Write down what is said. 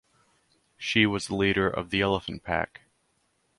She was the leader of the elephant pack.